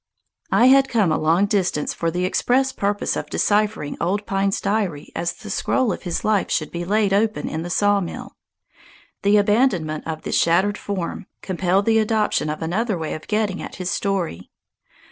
I had come a long distance for the express purpose of deciphering Old Pine's diary as the scroll of his life should be laid open in the sawmill. The abandonment of the shattered form compelled the adoption of another way of getting at his story.